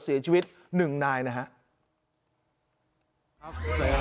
ศีลชีวิตหนึ่งนายนะครับ